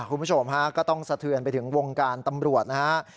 คุณผู้ชมฮะก็ต้องสะเทือนไปถึงวงการตำรวจนะฮะ